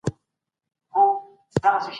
دا ډېر نه دئ مهم دئ.